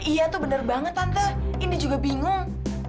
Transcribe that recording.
iya tuh bener banget tante ini juga bingung